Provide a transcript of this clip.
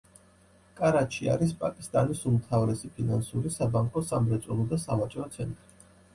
კარაჩი არის პაკისტანის უმთავრესი ფინანსური, საბანკო, სამრეწველო და სავაჭრო ცენტრი.